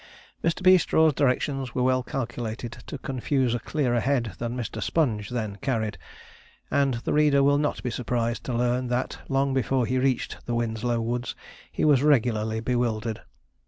Mr. Peastraw's directions were well calculated to confuse a clearer head than Mr. Sponge then carried; and the reader will not be surprised to learn that, long before he reached the Winslow Woods, he was regularly bewildered.